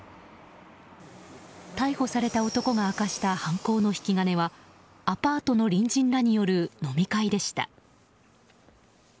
逮捕された男が明かした犯行の引き金はアパートの隣人らによる飲み会でした。